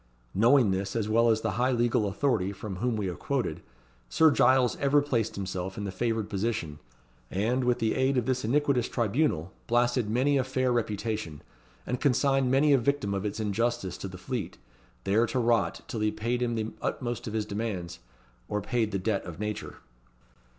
Knowing this as well as the high legal authority from whom we have quoted, Sir Giles ever placed himself in the favoured position, and, with the aid of this iniquitous tribunal, blasted many a fair reputation, and consigned many a victim of its injustice to the Fleet, there to rot till he paid him the utmost of his demands, or paid the debt of nature.